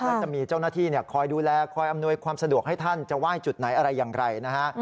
แล้วจะมีเจ้าหน้าที่คอยดูแลคอยอำนวยความสะดวกให้ท่านจะไหว้จุดไหนอะไรอย่างไรนะฮะ